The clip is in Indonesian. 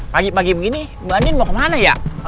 pagi pagi begini mbak nin mau kemana ya